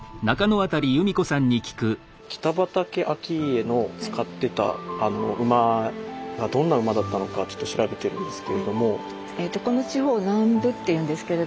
北畠顕家の使ってた馬がどんな馬だったのかちょっと調べてるんですけれども。